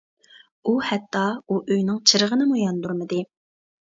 ئۇ ھەتتا ئۇ ئۆينىڭ چىرىغىنىمۇ ياندۇرمىدى.